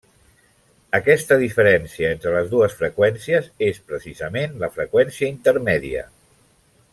Aquesta diferència entre les dues freqüències és precisament la freqüència intermèdia.